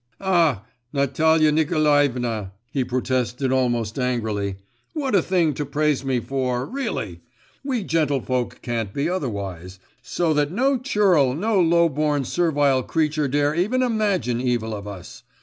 'Ah, Natalia Nikolaevna!' he protested almost angrily; 'what a thing to praise me for, really! We gentlefolk can't be otherwise; so that no churl, no low born, servile creature dare even imagine evil of us!